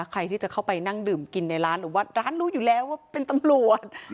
ใครที่จะเข้าไปนั่งดื่มกินในร้านหรือว่าร้านรู้อยู่แล้วว่าเป็นตำรวจ